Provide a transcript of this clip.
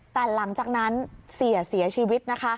แต่หลังจากนั้นเสียเสียชีวิตนะคะ